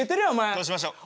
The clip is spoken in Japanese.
どうしましょう？